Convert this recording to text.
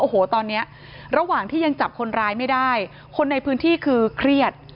โอ้โหตอนนี้ระหว่างที่ยังจับคนร้ายไม่ได้คนในพื้นที่คือเครียด